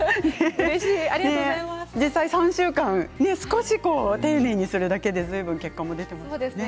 実際、３週間少し丁寧にするだけで結果も出ていましたね。